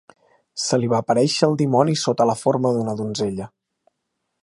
Se li va aparèixer el dimoni sota la forma d'una donzella.